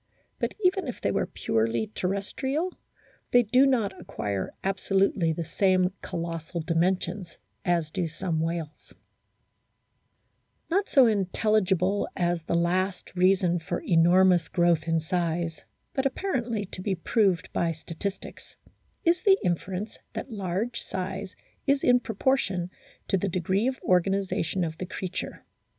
But, even if they were purely terrestrial, they do not acquire absolutely the same colossal dimensions as do some whales. 4 A BOOK OP WHALES Not so intelligible as the last reason for enormous growth in size, but apparently to be proved by statistics, is the inference that large size is in pro portion to the degree of organisation of the creature.